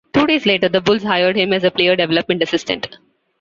Two days later, the Bulls hired him as a player development assistant.